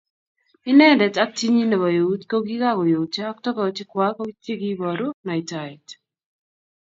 Inendet ak chinyi nebo eut kokikakoyotyo ak togochik Kwak chekiiboru naitaet